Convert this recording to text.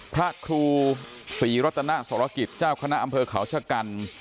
พระครูศรีรษนสศครรมกริตเจ้าคณะอำเภอเขาชักกัณฑ์